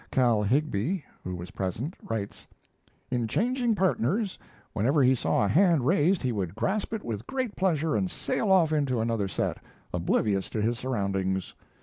Cal Higbie, who was present, writes: In changing partners, whenever he saw a hand raised he would grasp it with great pleasure and sail off into another set, oblivious to his surroundings.